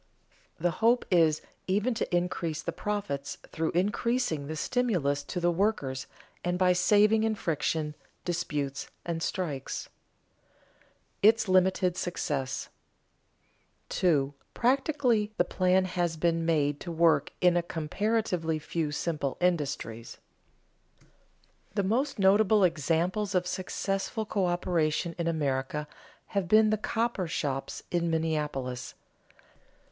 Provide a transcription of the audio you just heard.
The hope is even to increase the profits through increasing the stimulus to the workers and by saving in friction, disputes, and strikes. [Sidenote: Its limited success] 2. Practically the plan has been made to work in a comparatively few simple industries. The most notable examples of successful coöperation in America have been the cooper shops in Minneapolis.